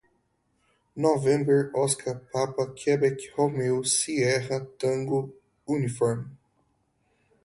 november, oscar, papa, quebec, romeo, sierra, tango, uniform